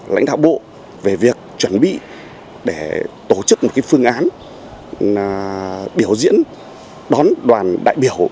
lãnh đạo bộ về việc chuẩn bị để tổ chức một phương án biểu diễn đón đoàn đại biểu